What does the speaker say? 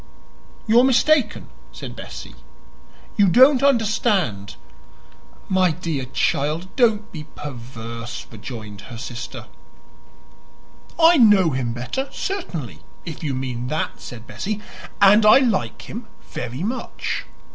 "You are mistaken," said Bessie. "You don't understand." "My dear child, don't be perverse," rejoined her sister. "I know him better, certainly, if you mean that," said Bessie. "And I like him very much.